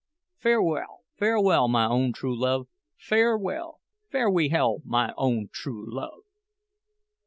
Farewell, farewell, my own true love—farewell, farewehell, my—own true—love!